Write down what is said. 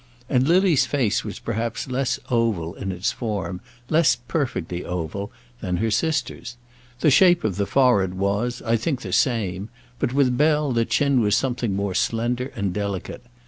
And Lily's face was perhaps less oval in its form less perfectly oval than her sister's. The shape of the forehead was, I think, the same, but with Bell the chin was something more slender and delicate.